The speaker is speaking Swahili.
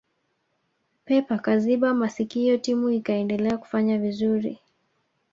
pep akaziba masikio timu ikaendelea kufanya vizuri